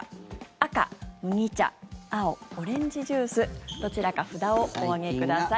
赤、麦茶青、オレンジジュースどちらか札をお上げください。